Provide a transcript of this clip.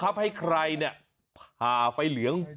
ไฟเนี่ยพาไฟเหลือง